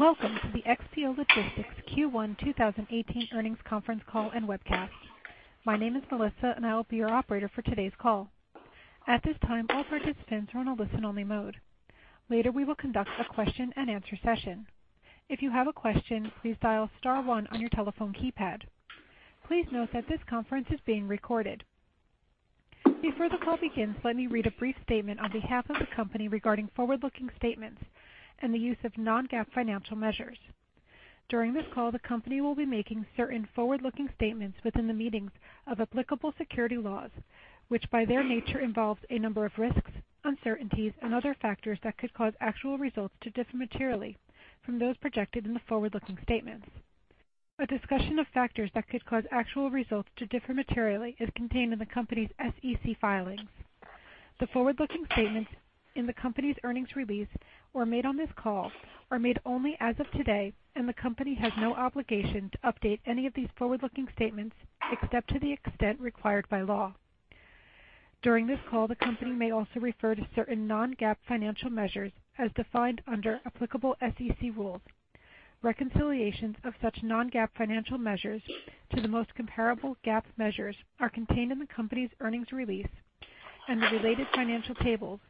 Welcome to the XPO Logistics Q1 2018 earnings conference call and webcast. My name is Melissa, and I will be your operator for today's call. At this time, all participants are on a listen-only mode. Later, we will conduct a question and answer session. If you have a question, please dial star one on your telephone keypad. Please note that this conference is being recorded. Before the call begins, let me read a brief statement on behalf of the company regarding forward-looking statements and the use of non-GAAP financial measures. During this call, the company will be making certain forward-looking statements within the meetings of applicable security laws, which by their nature involve a number of risks, uncertainties, and other factors that could cause actual results to differ materially from those projected in the forward-looking statements. A discussion of factors that could cause actual results to differ materially is contained in the company's SEC filings. The forward-looking statements in the company's earnings release or made on this call are made only as of today, the company has no obligation to update any of these forward-looking statements except to the extent required by law. During this call, the company may also refer to certain non-GAAP financial measures as defined under applicable SEC rules. Reconciliations of such non-GAAP financial measures to the most comparable GAAP measures are contained in the company's earnings release and the related financial tables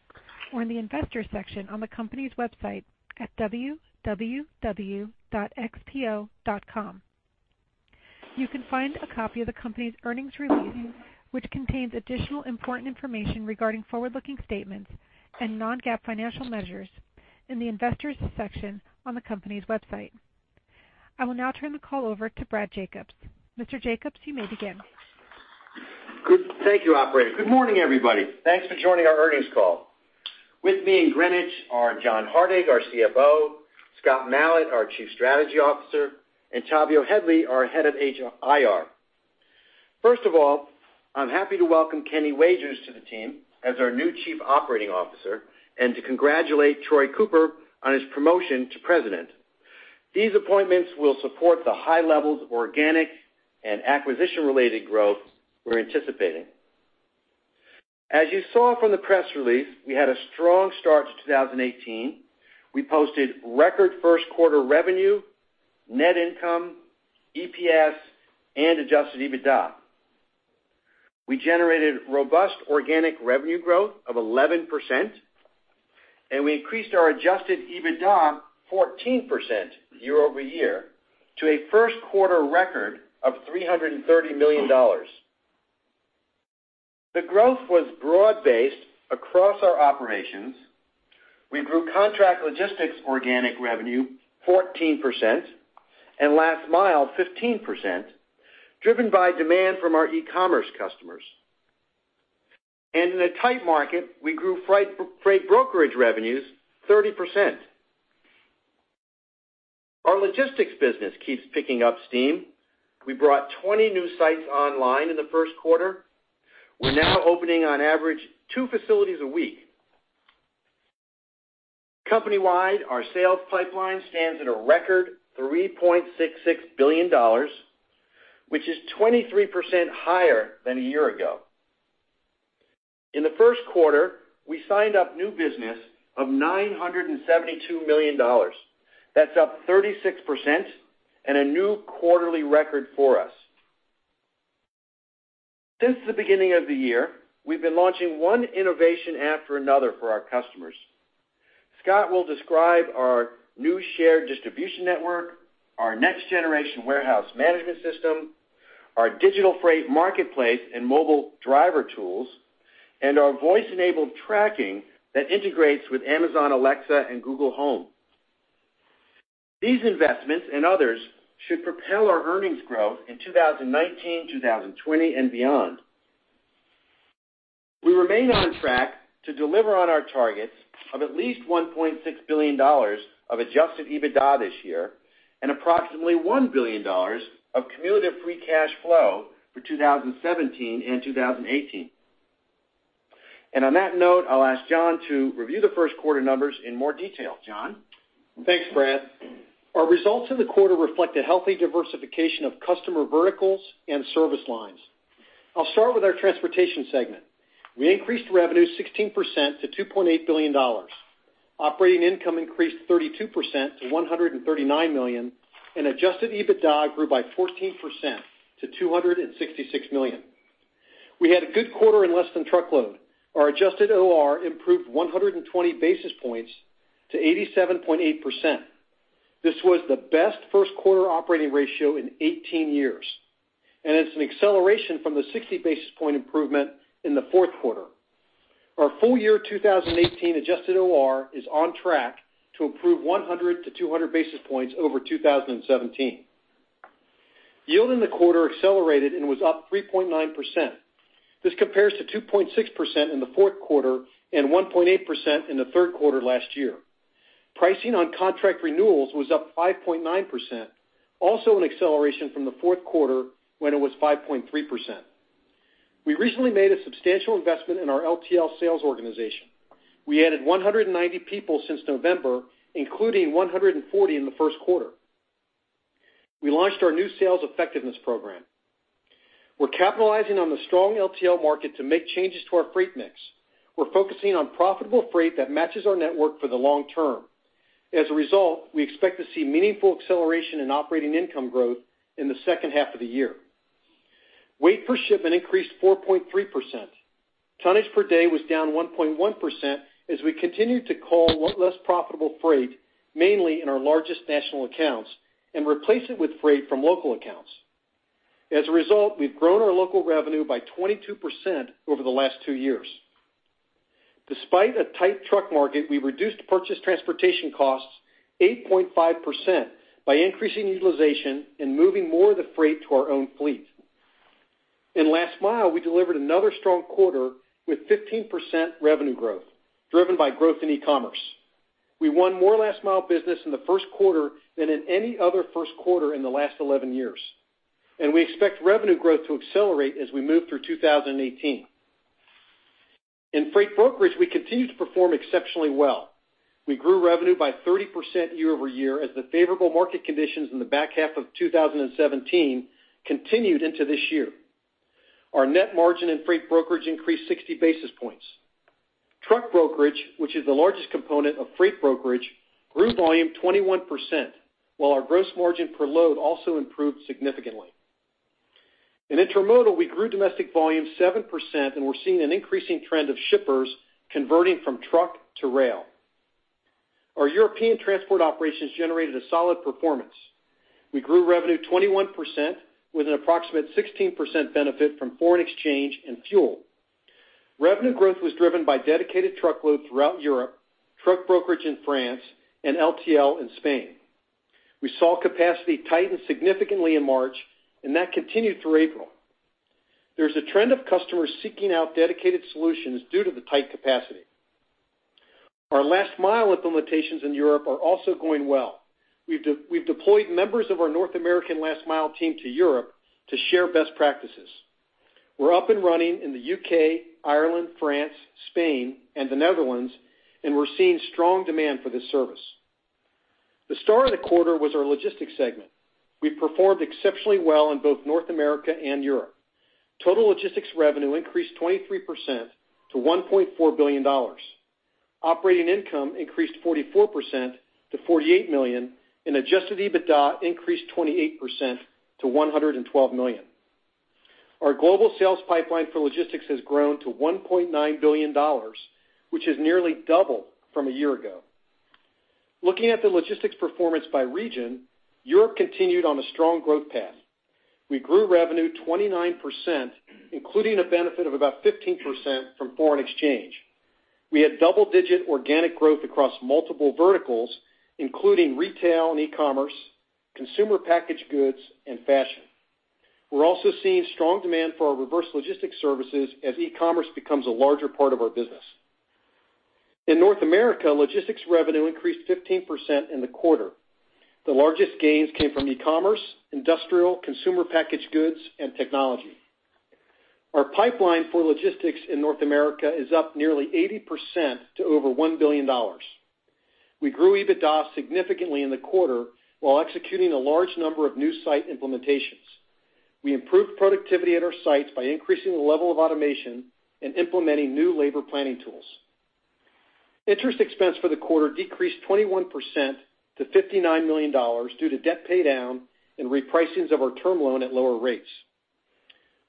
or in the Investors section on the company's website at www.xpo.com. You can find a copy of the company's earnings release, which contains additional important information regarding forward-looking statements and non-GAAP financial measures, in the Investors section on the company's website. I will now turn the call over to Brad Jacobs. Mr. Jacobs, you may begin. Thank you, operator. Good morning, everybody. Thanks for joining our earnings call. With me in Greenwich are John Hardig, our CFO, Scott Malat, our chief strategy officer, and Tavio Headley, our head of IR. First of all, I'm happy to welcome Kenny Wagers to the team as our new chief operating officer and to congratulate Troy Cooper on his promotion to president. These appointments will support the high levels of organic and acquisition-related growth we're anticipating. As you saw from the press release, we had a strong start to 2018. We posted record first quarter revenue, net income, EPS, and adjusted EBITDA. We generated robust organic revenue growth of 11%, we increased our adjusted EBITDA 14% year-over-year to a first quarter record of $330 million. The growth was broad-based across our operations. We grew contract logistics organic revenue 14% and last mile 15%, driven by demand from our e-commerce customers. In a tight market, we grew freight brokerage revenues 30%. Our logistics business keeps picking up steam. We brought 20 new sites online in the first quarter. We're now opening on average 2 facilities a week. Company-wide, our sales pipeline stands at a record $3.66 billion, which is 23% higher than a year ago. In the first quarter, we signed up new business of $972 million. That's up 36% and a new quarterly record for us. Since the beginning of the year, we've been launching one innovation after another for our customers. Scott will describe our new shared distribution network, our next-generation warehouse management system, our digital freight marketplace and mobile driver tools, and our voice-enabled tracking that integrates with Amazon Alexa and Google Home. These investments and others should propel our earnings growth in 2019, 2020, and beyond. We remain on track to deliver on our targets of at least $1.6 billion of adjusted EBITDA this year and approximately $1 billion of cumulative free cash flow for 2017 and 2018. On that note, I'll ask John to review the first quarter numbers in more detail. John? Thanks, Brad. Our results in the quarter reflect a healthy diversification of customer verticals and service lines. I'll start with our transportation segment. We increased revenue 16% to $2.8 billion. Operating income increased 32% to $139 million, and adjusted EBITDA grew by 14% to $266 million. We had a good quarter in less-than-truckload. Our adjusted OR improved 120 basis points to 87.8%. This was the best first quarter operating ratio in 18 years, and it's an acceleration from the 60 basis point improvement in the fourth quarter. Our full year 2018 adjusted OR is on track to improve 100-200 basis points over 2017. Yield in the quarter accelerated and was up 3.9%. This compares to 2.6% in the fourth quarter and 1.8% in the third quarter last year. Pricing on contract renewals was up 5.9%, also an acceleration from the fourth quarter when it was 5.3%. We recently made a substantial investment in our LTL sales organization. We added 190 people since November, including 140 in the first quarter. We launched our new Sales Effectiveness Program. We're capitalizing on the strong LTL market to make changes to our freight mix. We're focusing on profitable freight that matches our network for the long term. As a result, we expect to see meaningful acceleration in operating income growth in the second half of the year. Weight per shipment increased 4.3%. Tonnage per day was down 1.1% as we continued to call less profitable freight, mainly in our largest national accounts, and replace it with freight from local accounts. As a result, we've grown our local revenue by 22% over the last 2 years. Despite a tight truck market, we reduced purchase transportation costs 8.5% by increasing utilization and moving more of the freight to our own fleet. In Last Mile, we delivered another strong quarter with 15% revenue growth, driven by growth in e-commerce. We won more Last Mile business in the first quarter than in any other first quarter in the last 11 years, and we expect revenue growth to accelerate as we move through 2018. In Freight Brokerage, we continue to perform exceptionally well. We grew revenue by 30% year-over-year as the favorable market conditions in the back half of 2017 continued into this year. Our net margin in Freight Brokerage increased 60 basis points. Truck Brokerage, which is the largest component of Freight Brokerage, grew volume 21%, while our gross margin per load also improved significantly. In Intermodal, we grew domestic volume 7%, and we are seeing an increasing trend of shippers converting from truck to rail. Our European transport operations generated a solid performance. We grew revenue 21% with an approximate 16% benefit from foreign exchange and fuel. Revenue growth was driven by dedicated truckload throughout Europe, Truck Brokerage in France, and LTL in Spain. We saw capacity tighten significantly in March, and that continued through April. There is a trend of customers seeking out dedicated solutions due to the tight capacity. Our Last Mile implementations in Europe are also going well. We have deployed members of our North American Last Mile team to Europe to share best practices. We are up and running in the U.K., Ireland, France, Spain, and the Netherlands, and we are seeing strong demand for this service. The star of the quarter was our Logistics segment. We performed exceptionally well in both North America and Europe. Total Logistics revenue increased 23% to $1.4 billion. Operating income increased 44% to $48 million, and adjusted EBITDA increased 28% to $112 million. Our global sales pipeline for Logistics has grown to $1.9 billion, which is nearly double from a year ago. Looking at the Logistics performance by region, Europe continued on a strong growth path. We grew revenue 29%, including a benefit of about 15% from foreign exchange. We had double-digit organic growth across multiple verticals, including retail and e-commerce, consumer packaged goods, and fashion. We are also seeing strong demand for our reverse logistics services as e-commerce becomes a larger part of our business. In North America, Logistics revenue increased 15% in the quarter. The largest gains came from e-commerce, industrial, consumer packaged goods, and technology. Our pipeline for Logistics in North America is up nearly 80% to over $1 billion. We grew EBITDA significantly in the quarter while executing a large number of new site implementations. We improved productivity at our sites by increasing the level of automation and implementing new labor planning tools. Interest expense for the quarter decreased 21% to $59 million due to debt paydown and repricings of our term loan at lower rates.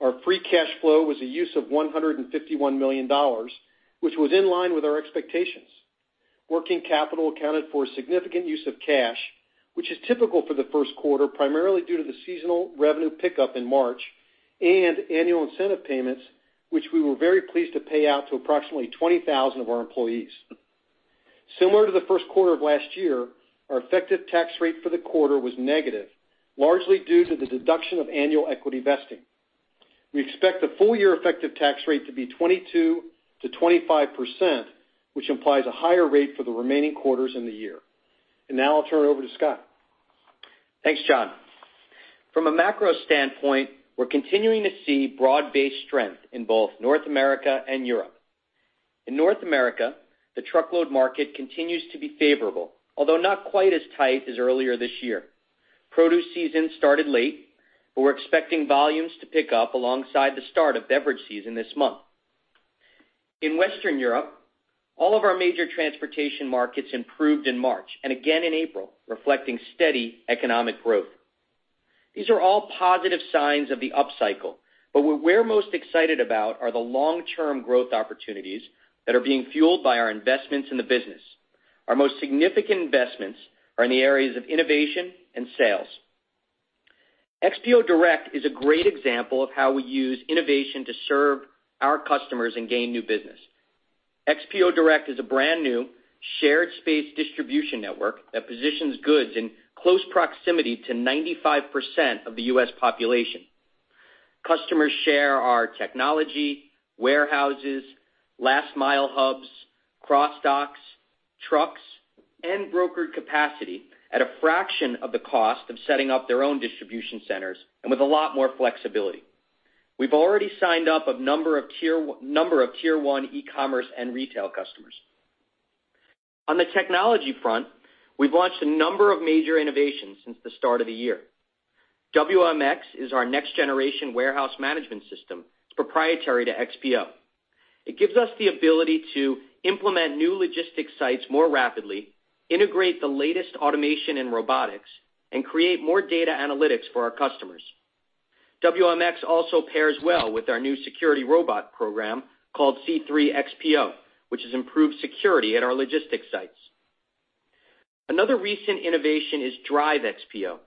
Our free cash flow was a use of $151 million, which was in line with our expectations. Working capital accounted for a significant use of cash, which is typical for the first quarter, primarily due to the seasonal revenue pickup in March and annual incentive payments, which we were very pleased to pay out to approximately 20,000 of our employees. Similar to the first quarter of last year, our effective tax rate for the quarter was negative, largely due to the deduction of annual equity vesting. We expect the full-year effective tax rate to be 22%-25%, which implies a higher rate for the remaining quarters in the year. Now I'll turn it over to Scott. Thanks, John. From a macro standpoint, we're continuing to see broad-based strength in both North America and Europe. In North America, the truckload market continues to be favorable, although not quite as tight as earlier this year. Produce season started late, but we're expecting volumes to pick up alongside the start of beverage season this month. In Western Europe, all of our major transportation markets improved in March and again in April, reflecting steady economic growth. These are all positive signs of the upcycle, but what we're most excited about are the long-term growth opportunities that are being fueled by our investments in the business. Our most significant investments are in the areas of innovation and sales. XPO Direct is a great example of how we use innovation to serve our customers and gain new business. XPO Direct is a brand-new shared space distribution network that positions goods in close proximity to 95% of the U.S. population. Customers share our technology, warehouses, Last Mile hubs, cross docks, trucks, and brokered capacity at a fraction of the cost of setting up their own distribution centers, and with a lot more flexibility. We've already signed up a number of tier 1 e-commerce and retail customers. On the technology front, we've launched a number of major innovations since the start of the year. WMx is our next-generation warehouse management system. It's proprietary to XPO. It gives us the ability to implement new logistics sites more rapidly, integrate the latest automation in robotics, and create more data analytics for our customers. WMx also pairs well with our new security robot program called C3-XPO, which has improved security at our logistics sites. Another recent innovation is Drive XPO.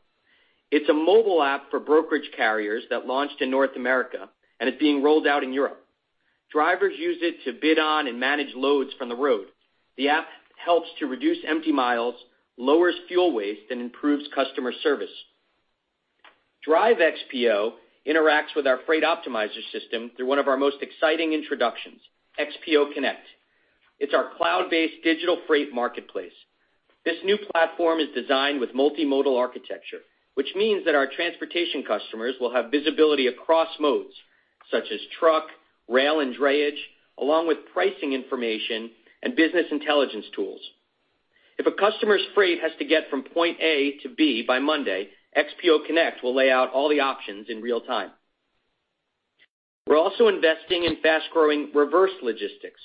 It's a mobile app for brokerage carriers that launched in North America and is being rolled out in Europe. Drivers use it to bid on and manage loads from the road. The app helps to reduce empty miles, lowers fuel waste, and improves customer service. Drive XPO interacts with our freight optimizer system through one of our most exciting introductions, XPO Connect. It's our cloud-based digital freight marketplace. This new platform is designed with multimodal architecture, which means that our transportation customers will have visibility across modes such as truck, rail, and drayage, along with pricing information and business intelligence tools. If a customer's freight has to get from point A to B by Monday, XPO Connect will lay out all the options in real time. We're also investing in fast-growing reverse logistics.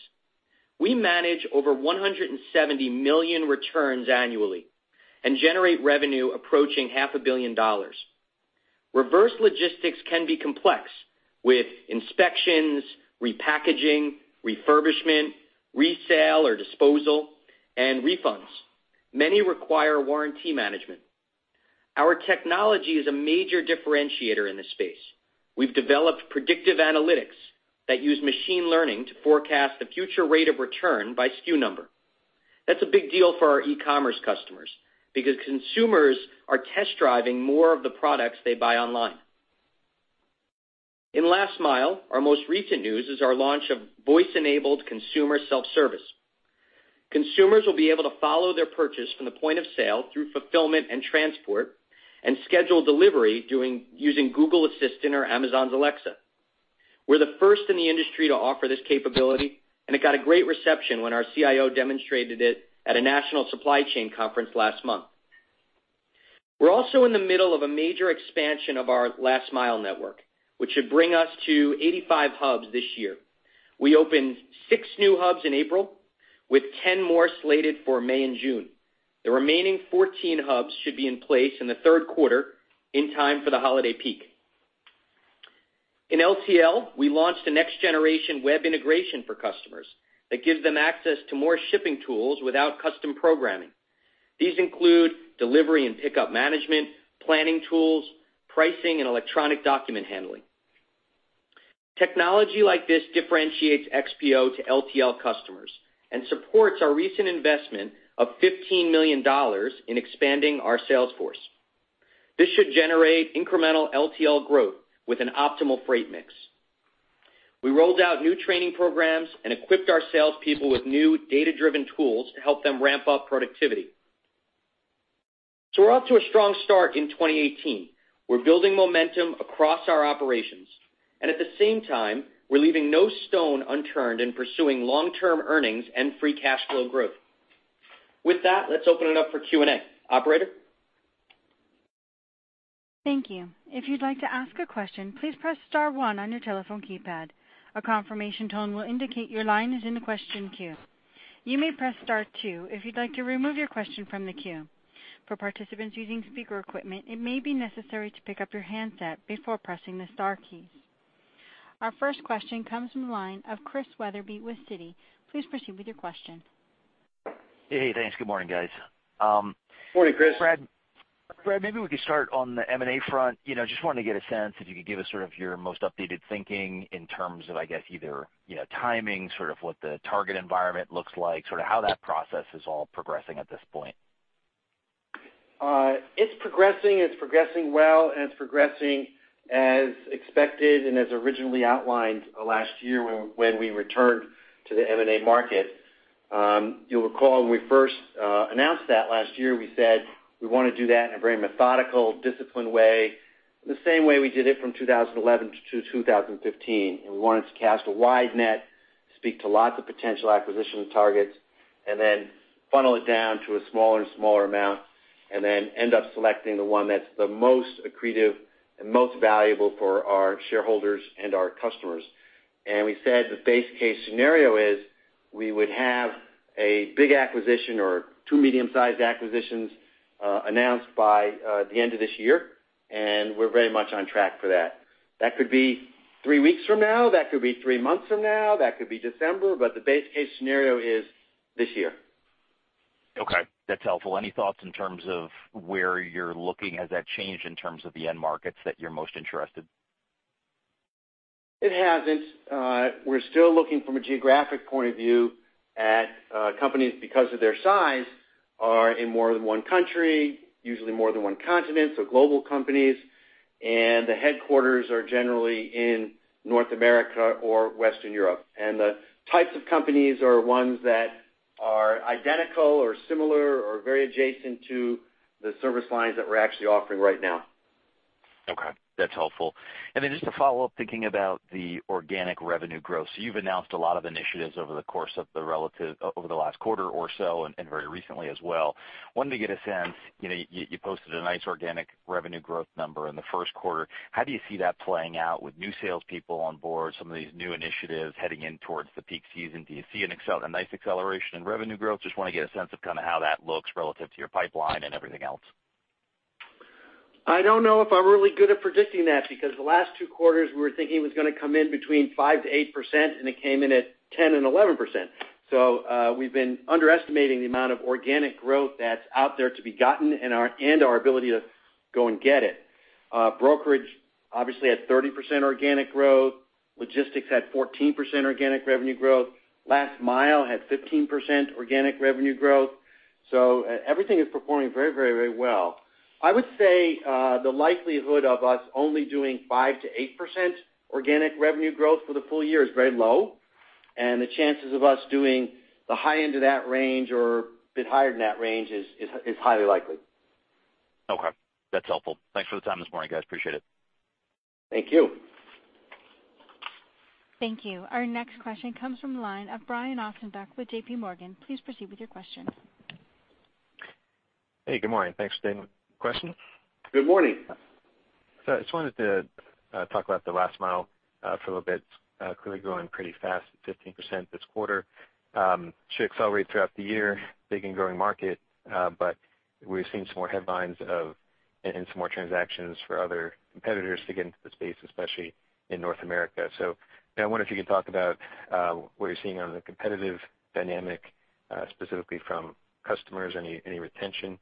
We manage over 170 million returns annually and generate revenue approaching half a billion dollars. Reverse logistics can be complex, with inspections, repackaging, refurbishment, resale or disposal, and refunds. Many require warranty management. Our technology is a major differentiator in this space. We've developed predictive analytics that use machine learning to forecast the future rate of return by SKU number. That's a big deal for our e-commerce customers because consumers are test-driving more of the products they buy online. In Last Mile, our most recent news is our launch of voice-enabled consumer self-service. Consumers will be able to follow their purchase from the point of sale through fulfillment and transport and schedule delivery using Google Assistant or Amazon's Alexa. We're the first in the industry to offer this capability, and it got a great reception when our CIO demonstrated it at a national supply chain conference last month. We're also in the middle of a major expansion of our Last Mile network, which should bring us to 85 hubs this year. We opened six new hubs in April, with 10 more slated for May and June. The remaining 14 hubs should be in place in the third quarter, in time for the holiday peak. In LTL, we launched a next-generation web integration for customers that gives them access to more shipping tools without custom programming. These include delivery and pickup management, planning tools, pricing, and electronic document handling. Technology like this differentiates XPO to LTL customers and supports our recent investment of $15 million in expanding our sales force. This should generate incremental LTL growth with an optimal freight mix. We rolled out new training programs and equipped our salespeople with new data-driven tools to help them ramp up productivity. We're off to a strong start in 2018. We're building momentum across our operations. At the same time, we're leaving no stone unturned in pursuing long-term earnings and free cash flow growth. With that, let's open it up for Q&A. Operator? Thank you. If you'd like to ask a question, please press *1 on your telephone keypad. A confirmation tone will indicate your line is in the question queue. You may press *2 if you'd like to remove your question from the queue. For participants using speaker equipment, it may be necessary to pick up your handset before pressing the star keys. Our first question comes from the line of Christian Wetherbee with Citi. Please proceed with your question. Hey. Thanks. Good morning, guys. Morning, Chris. Brad, maybe we could start on the M&A front. Just wanted to get a sense if you could give us sort of your most updated thinking in terms of, I guess, either timing, sort of what the target environment looks like, sort of how that process is all progressing at this point. It's progressing. It's progressing well, and it's progressing as expected and as originally outlined last year when we returned to the M&A market. You'll recall when we first announced that last year, we said we want to do that in a very methodical, disciplined way, the same way we did it from 2011 to 2015, and we wanted to cast a wide net, speak to lots of potential acquisition targets, and then funnel it down to a smaller and smaller amount, and then end up selecting the one that's the most accretive and most valuable for our shareholders and our customers. We said the base case scenario is we would have a big acquisition or two medium-sized acquisitions announced by the end of this year, and we're very much on track for that. That could be three weeks from now, that could be three months from now, that could be December. The base case scenario is this year. Okay, that's helpful. Any thoughts in terms of where you're looking? Has that changed in terms of the end markets that you're most interested? It hasn't. We're still looking from a geographic point of view at companies because of their size are in more than one country, usually more than one continent, so global companies. The headquarters are generally in North America or Western Europe. The types of companies are ones that are identical or similar or very adjacent to the service lines that we're actually offering right now. That's helpful. Then just to follow up, thinking about the organic revenue growth. You've announced a lot of initiatives over the course of the last quarter or so and very recently as well. Wanted to get a sense, you posted a nice organic revenue growth number in the first quarter. How do you see that playing out with new salespeople on board, some of these new initiatives heading in towards the peak season? Do you see a nice acceleration in revenue growth? Just want to get a sense of how that looks relative to your pipeline and everything else. I don't know if I'm really good at predicting that, because the last two quarters, we were thinking it was going to come in between 5%-8%, and it came in at 10% and 11%. We've been underestimating the amount of organic growth that's out there to be gotten and our ability to go and get it. Brokerage obviously had 30% organic growth. Logistics had 14% organic revenue growth. Last Mile had 15% organic revenue growth. Everything is performing very well. I would say, the likelihood of us only doing 5%-8% organic revenue growth for the full year is very low, and the chances of us doing the high end of that range or a bit higher than that range is highly likely. Okay, that's helpful. Thanks for the time this morning, guys. Appreciate it. Thank you. Thank you. Our next question comes from the line of Brian Ossenbeck with JPMorgan. Please proceed with your question. Hey, good morning. Thanks for taking the question. Good morning. I just wanted to talk about the last mile for a little bit. It's clearly growing pretty fast, at 15% this quarter. Should accelerate throughout the year, big and growing market, but we're seeing some more headlines of, and some more transactions for other competitors to get into the space, especially in North America. I wonder if you could talk about what you're seeing on the competitive dynamic, specifically from customers, any retention,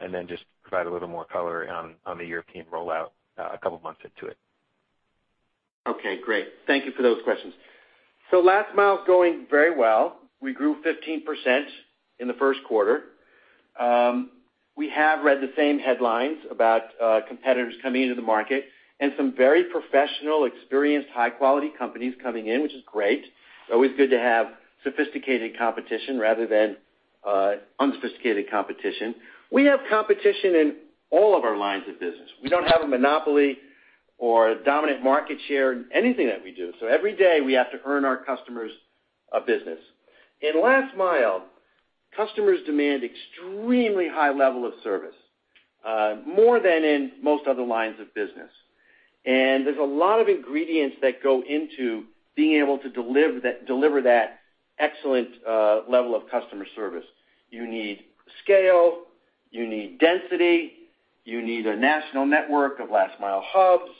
and then just provide a little more color on the European rollout a couple of months into it. Okay, great. Thank you for those questions. Last mile is going very well. We grew 15% in the first quarter. We have read the same headlines about competitors coming into the market and some very professional, experienced, high-quality companies coming in, which is great. It's always good to have sophisticated competition rather than unsophisticated competition. We have competition in all of our lines of business. We don't have a monopoly or a dominant market share in anything that we do. Every day, we have to earn our customers' business. In last mile, customers demand extremely high level of service, more than in most other lines of business. There's a lot of ingredients that go into being able to deliver that excellent level of customer service. You need scale. You need density. You need a national network of last mile hubs.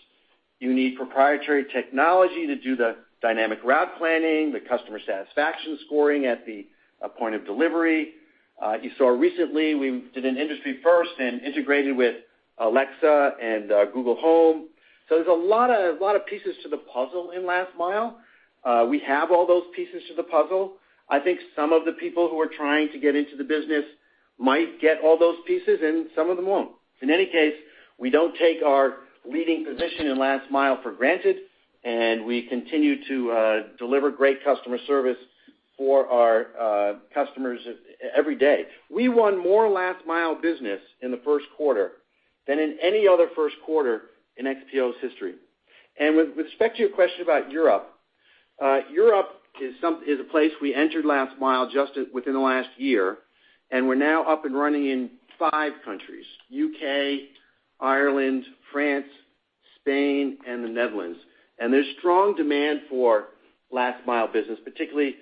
You need proprietary technology to do the dynamic route planning, the customer satisfaction scoring at the point of delivery. You saw recently we did an industry first and integrated with Alexa and Google Home. There's a lot of pieces to the puzzle in last mile. We have all those pieces to the puzzle. I think some of the people who are trying to get into the business might get all those pieces, and some of them won't. In any case, we don't take our leading position in last mile for granted, and we continue to deliver great customer service for our customers every day. We won more last mile business in the first quarter than in any other first quarter in XPO's history. With respect to your question about Europe is a place we entered last mile just within the last year, and we're now up and running in five countries, U.K., Ireland, France, Spain, and the Netherlands. There's strong demand for last mile business, particularly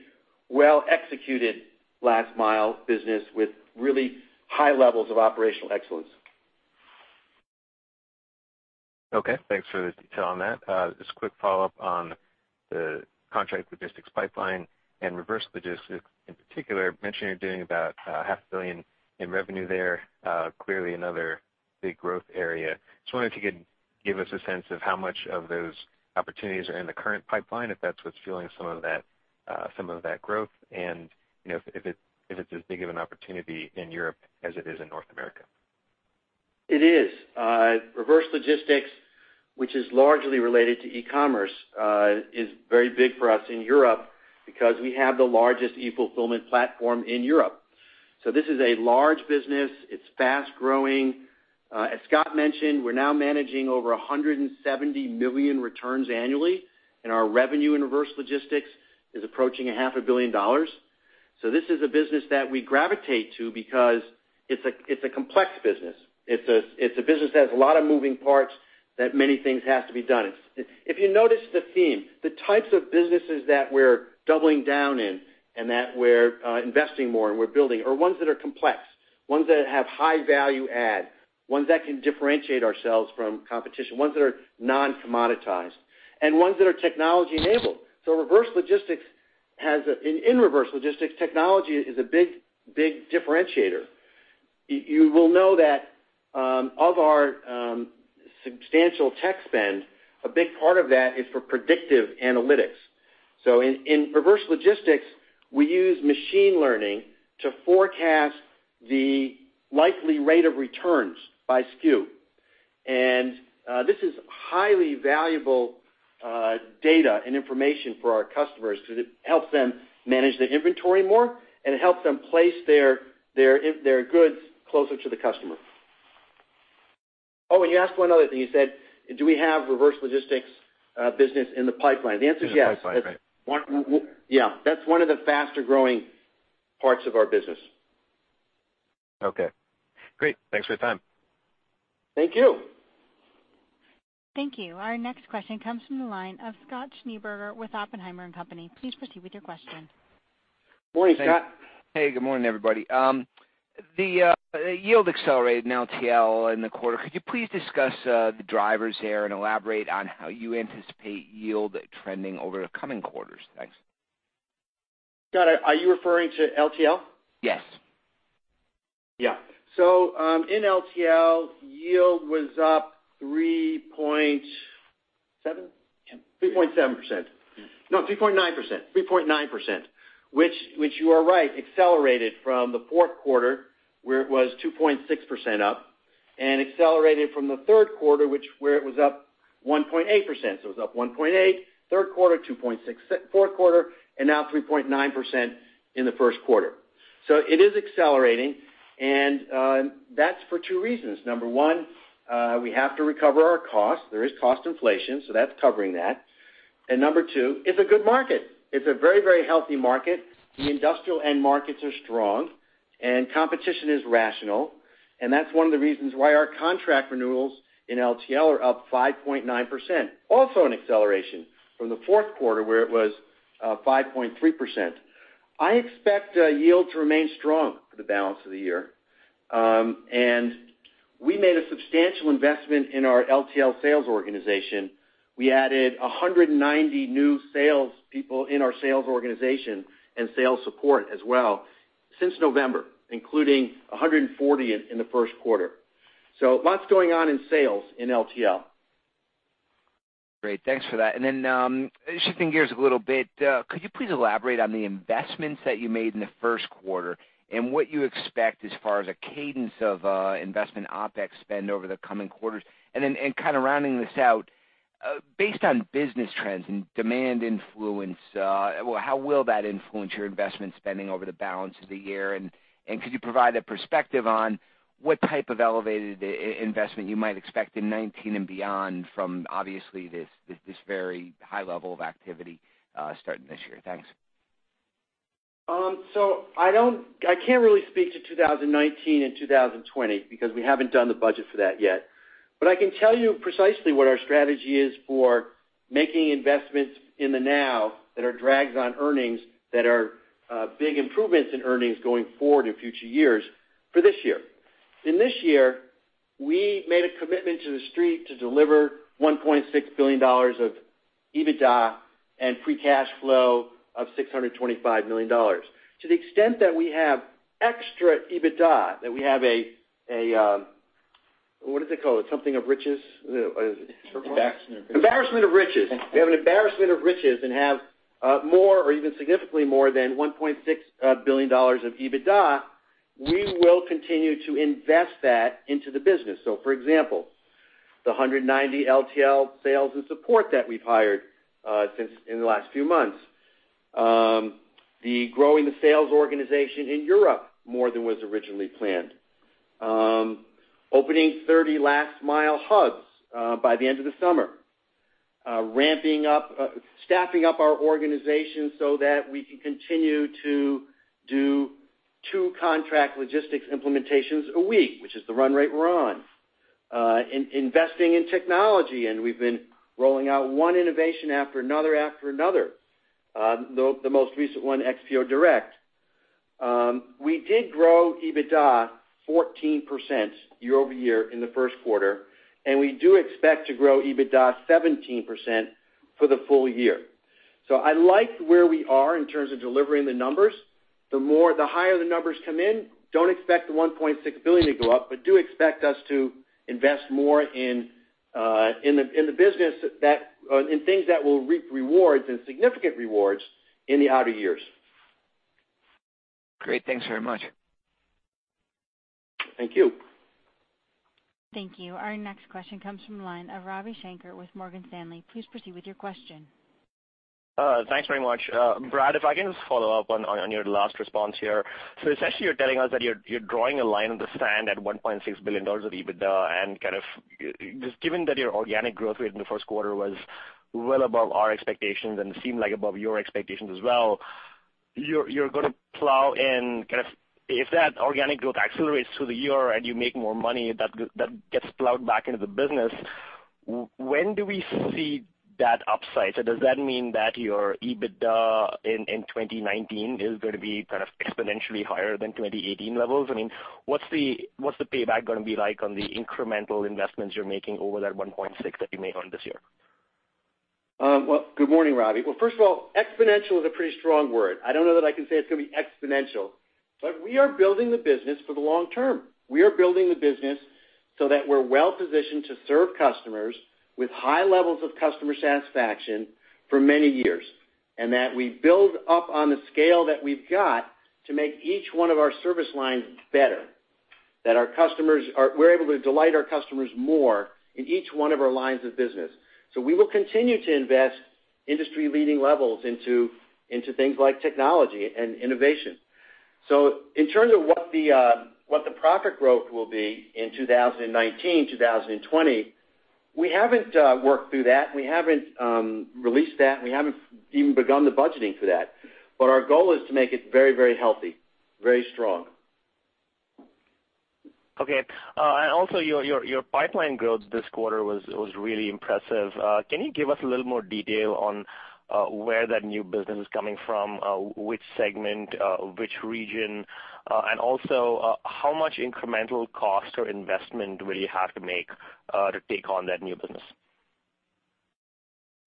well-executed last mile business with really high levels of operational excellence. Okay, thanks for the detail on that. Just a quick follow-up on the contract logistics pipeline and reverse logistics in particular. Mentioned you're doing about half a billion in revenue there. Clearly another big growth area. Just wondering if you could give us a sense of how much of those opportunities are in the current pipeline, if that's what's fueling some of that growth, and if it's as big of an opportunity in Europe as it is in North America. It is. Reverse logistics, which is largely related to e-commerce, is very big for us in Europe because we have the largest e-fulfillment platform in Europe. This is a large business. It's fast-growing. As Scott mentioned, we're now managing over 170 million returns annually, and our revenue in reverse logistics is approaching a half a billion dollars. This is a business that we gravitate to because it's a complex business. It's a business that has a lot of moving parts, that many things have to be done. If you notice the theme, the types of businesses that we're doubling down in and that we're investing more and we're building are ones that are complex, ones that have high value add, ones that can differentiate ourselves from competition, ones that are non-commoditized, and ones that are technology-enabled. In reverse logistics, technology is a big differentiator. You will know that of our substantial tech spend, a big part of that is for predictive analytics. In reverse logistics, we use machine learning to forecast the likely rate of returns by SKU. This is highly valuable data and information for our customers because it helps them manage their inventory more, and it helps them place their goods closer to the customer. Oh, you asked one other thing. You said, do we have reverse logistics business in the pipeline? The answer is yes. In the pipeline, right. Yeah. That's one of the faster-growing parts of our business. Okay, great. Thanks for your time. Thank you. Thank you. Our next question comes from the line of Scott Schneeberger with Oppenheimer & Co. Please proceed with your question. Morning, Scott. Hey, good morning, everybody. The yield accelerated in LTL in the quarter. Could you please discuss the drivers there and elaborate on how you anticipate yield trending over the coming quarters? Thanks. Scott, are you referring to LTL? Yes. Yeah. In LTL, yield was up 3.7%? Yeah. 3.7%. No, 3.9%. Which you are right, accelerated from the fourth quarter, where it was 2.6% up, accelerated from the third quarter, where it was up 1.8%. It was up 1.8% third quarter, 2.6% fourth quarter, and now 3.9% in the first quarter. It is accelerating, and that's for two reasons. Number one, we have to recover our costs. There is cost inflation, so that's covering that. Number two, it's a good market. It's a very healthy market. The industrial end markets are strong, competition is rational. That's one of the reasons why our contract renewals in LTL are up 5.9%, also an acceleration from the fourth quarter, where it was 5.3%. I expect yield to remain strong for the balance of the year. We made a substantial investment in our LTL sales organization. We added 190 new salespeople in our sales organization and sales support as well since November, including 140 in the first quarter. Lots going on in sales in LTL. Great. Thanks for that. Shifting gears a little bit, could you please elaborate on the investments that you made in the first quarter and what you expect as far as a cadence of investment OpEx spend over the coming quarters? Rounding this out, based on business trends and demand influence, how will that influence your investment spending over the balance of the year? Could you provide a perspective on what type of elevated investment you might expect in 2019 and beyond from obviously this very high level of activity starting this year? Thanks. I can't really speak to 2019 and 2020 because we haven't done the budget for that yet. I can tell you precisely what our strategy is for making investments in the now that are drags on earnings, that are big improvements in earnings going forward in future years for this year. In this year, we made a commitment to The Street to deliver $1.6 billion of EBITDA and free cash flow of $625 million. To the extent that we have extra EBITDA, that we have Something of riches. Embarrassment of riches. Embarrassment of riches. We have an embarrassment of riches and have more or even significantly more than $1.6 billion of EBITDA. We will continue to invest that into the business. For example, the 190 LTL sales and support that we've hired in the last few months. The growing the sales organization in Europe more than was originally planned. Opening 30 last mile hubs by the end of the summer. Staffing up our organization so that we can continue to do two contract logistics implementations a week, which is the run rate we're on. Investing in technology, we've been rolling out one innovation after another. The most recent one, XPO Direct. We did grow EBITDA 14% year-over-year in the first quarter, we do expect to grow EBITDA 17% for the full year. I like where we are in terms of delivering the numbers. The higher the numbers come in, don't expect the $1.6 billion to go up, but do expect us to invest more in things that will reap rewards and significant rewards in the outer years. Great. Thanks very much. Thank you. Thank you. Our next question comes from the line of Ravi Shanker with Morgan Stanley. Please proceed with your question. Thanks very much. Brad, if I can just follow up on your last response here. Essentially, you're telling us that you're drawing a line in the sand at $1.6 billion of EBITDA, and kind of just given that your organic growth rate in the first quarter was well above our expectations and seemed like above your expectations as well, you're going to plow in if that organic growth accelerates through the year and you make more money that gets plowed back into the business. When do we see that upside? Does that mean that your EBITDA in 2019 is going to be kind of exponentially higher than 2018 levels? I mean, what's the payback going to be like on the incremental investments you're making over that $1.6 that you made on this year? Well, good morning, Ravi. Well, first of all, exponential is a pretty strong word. I don't know that I can say it's going to be exponential, we are building the business for the long term. We are building the business so that we're well-positioned to serve customers with high levels of customer satisfaction for many years, and that we build up on the scale that we've got to make each one of our service lines better. We're able to delight our customers more in each one of our lines of business. We will continue to invest industry-leading levels into things like technology and innovation. In terms of what the profit growth will be in 2019, 2020, we haven't worked through that, and we haven't released that, and we haven't even begun the budgeting for that. Our goal is to make it very healthy, very strong. Okay. Also your pipeline growth this quarter was really impressive. Can you give us a little more detail on where that new business is coming from, which segment, which region? Also, how much incremental cost or investment will you have to make to take on that new business?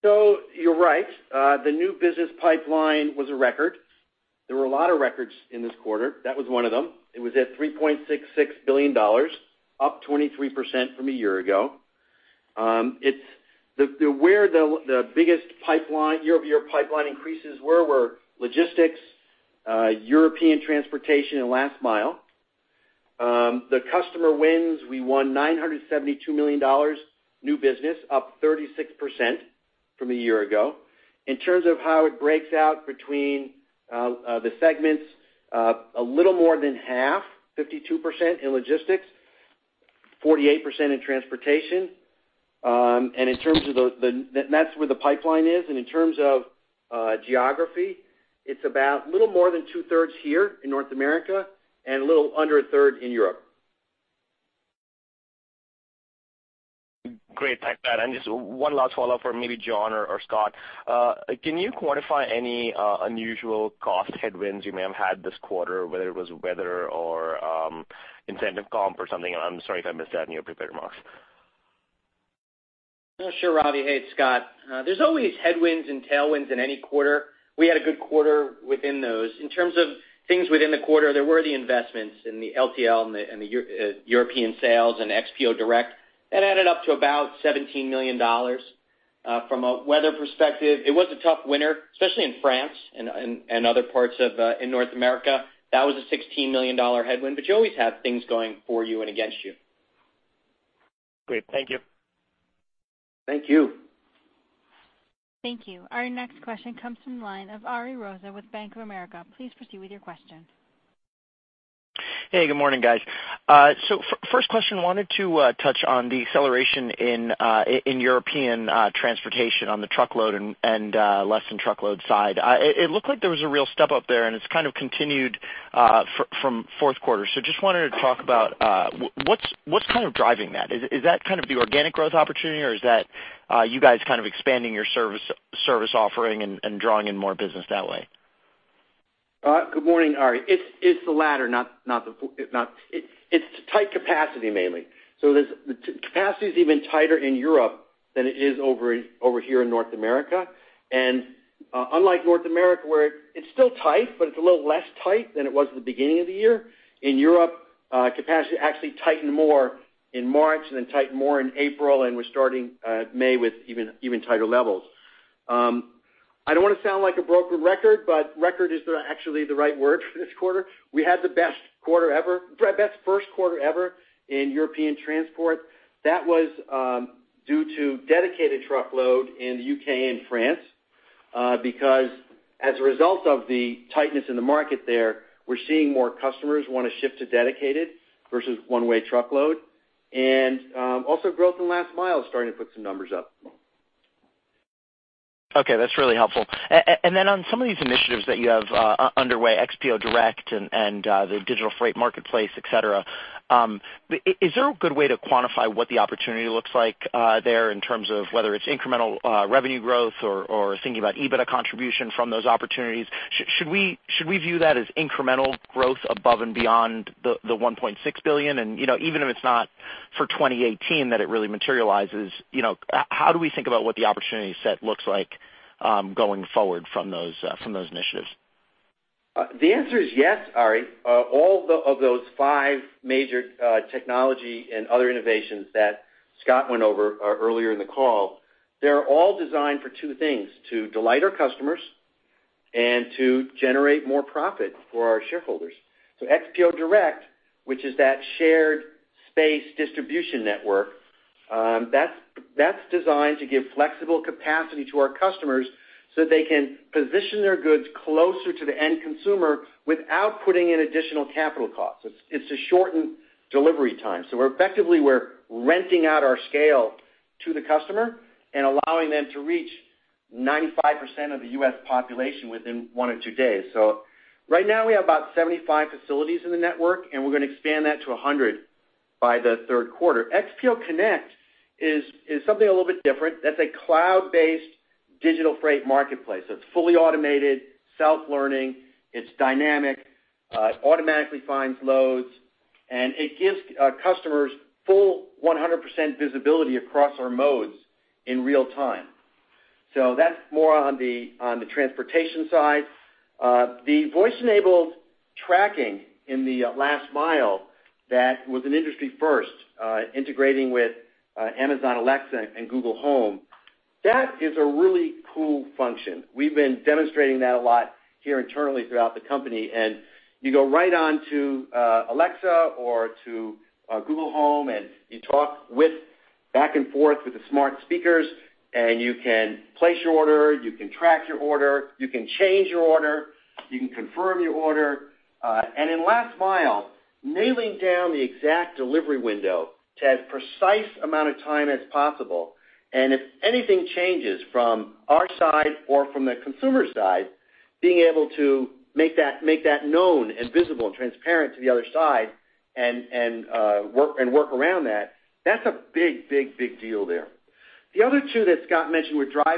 You're right. The new business pipeline was a record. There were a lot of records in this quarter. That was one of them. It was at $3.66 billion, up 23% from a year ago. Where the biggest year-over-year pipeline increases were logistics, European transportation, and last mile. The customer wins. We won $972 million new business, up 36% from a year ago. In terms of how it breaks out between the segments, a little more than half, 52% in logistics, 48% in transportation. In terms of the-- that's where the pipeline is. In terms of geography, it's about a little more than two-thirds here in North America and a little under a third in Europe. Great. Thanks for that. Just one last follow-up for maybe John or Scott. Can you quantify any unusual cost headwinds you may have had this quarter, whether it was weather or incentive comp or something? I'm sorry if I missed that in your prepared remarks. Sure, Ravi. Hey, it's Scott. There's always headwinds and tailwinds in any quarter. We had a good quarter within those. In terms of things within the quarter, there were the investments in the LTL and the European sales and XPO Direct. That added up to about $17 million. From a weather perspective, it was a tough winter, especially in France and other parts in North America. That was a $16 million headwind. You always have things going for you and against you. Great. Thank you. Thank you. Thank you. Our next question comes from the line of Ariel Rosa with Bank of America. Please proceed with your question. Hey, good morning, guys. First question, wanted to touch on the acceleration in European transportation on the truckload and Less-than-truckload side. It looked like there was a real step up there, and it's kind of continued from fourth quarter. Just wanted to talk about what's kind of driving that. Is that kind of the organic growth opportunity, or is that you guys kind of expanding your service offering and drawing in more business that way? Good morning, Ari. It's the latter. It's tight capacity, mainly. The capacity is even tighter in Europe than it is over here in North America. Unlike North America, where it's still tight, but it's a little less tight than it was at the beginning of the year. In Europe, capacity actually tightened more in March and then tightened more in April, and we're starting May with even tighter levels. I don't want to sound like a broken record, but record is actually the right word for this quarter. We had the best first quarter ever in European transport. That was due to dedicated truckload in the U.K. and France. Because as a result of the tightness in the market there, we're seeing more customers want to shift to dedicated versus one-way truckload. Also growth in Last mile is starting to put some numbers up. Okay, that's really helpful. On some of these initiatives that you have underway, XPO Direct and the digital freight marketplace, et cetera, is there a good way to quantify what the opportunity looks like there in terms of whether it's incremental revenue growth or thinking about EBITDA contribution from those opportunities? Should we view that as incremental growth above and beyond the $1.6 billion? Even if it's not for 2018 that it really materializes, how do we think about what the opportunity set looks like going forward from those initiatives? The answer is yes, Ari. All of those five major technology and other innovations that Scott went over earlier in the call, they're all designed for two things, to delight our customers and to generate more profit for our shareholders. XPO Direct, which is that shared space distribution network, that's designed to give flexible capacity to our customers so they can position their goods closer to the end consumer without putting in additional capital costs. It's to shorten delivery time. Effectively, we're renting out our scale to the customer and allowing them to reach 95% of the U.S. population within one or two days. Right now we have about 75 facilities in the network, and we're going to expand that to 100 by the third quarter. XPO Connect is something a little bit different. That's a cloud-based digital freight marketplace. It's fully automated, self-learning, it's dynamic. It automatically finds loads, and it gives customers full 100% visibility across our modes in real time. That's more on the transportation side. The voice-enabled tracking in the Last Mile, that was an industry first, integrating with Amazon Alexa and Google Home. That is a really cool function. We've been demonstrating that a lot here internally throughout the company, you go right onto Alexa or to Google Home, you talk back and forth with the smart speakers, you can place your order, you can track your order, you can change your order, you can confirm your order. In Last Mile, nailing down the exact delivery window to as precise amount of time as possible, if anything changes from our side or from the consumer side, being able to make that known and visible and transparent to the other side and work around that's a big deal there. The other two that Scott mentioned were Drive